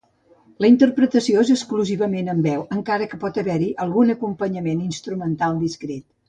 La interpretació és exclusivament amb veu encara que pot haver-hi algun acompanyament instrumental discret.